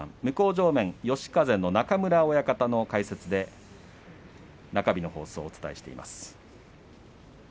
向正面は嘉風の中村親方の解説で中日の放送をお伝えしています。